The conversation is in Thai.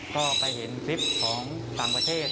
ก็ไปเห็นคลิปของต่างประเทศ